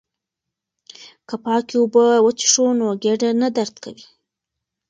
که پاکې اوبه وڅښو نو ګېډه نه درد کوي.